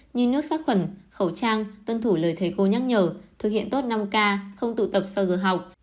như nước sát khuẩn khẩu trang tuân thủ lời thầy cô nhắc nhở thực hiện tốt năm k không tụ tập sau giờ học